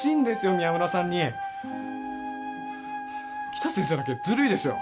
宮村さんに北先生だけズルイですよ